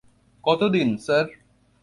কতদিন, স্যার?